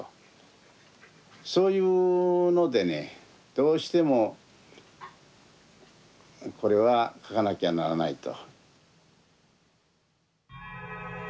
そういうのでねどうしてもこれは描かなきゃならないと。